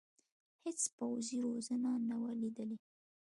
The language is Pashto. هېڅ پوځي روزنه نه وه لیدلې.